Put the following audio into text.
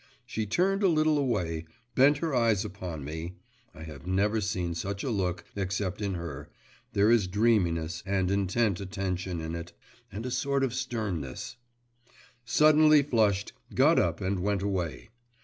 She turned a little away, bent her eyes upon me (I have never seen such a look, except in her; there is dreaminess and intent attention in it, and a sort of sternness), … suddenly flushed, got up and went away.